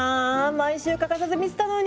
毎週欠かさず見てたのに。